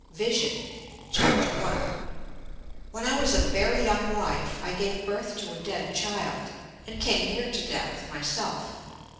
VISION I When I was a very young wife, I gave birth to a dead child, and came near to death myself.